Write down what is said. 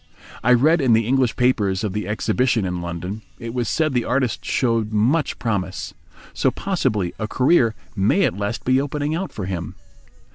I read in the English papers of the exhibition in London. It was said the artist showed much promise. So possibly a career may at last be opening out for him.